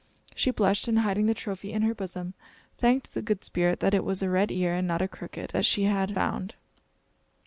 She blushed, and hiding the trophy in her bosom, thanked the Good Spirit that it was a red ear, and not a crooked, that she had found.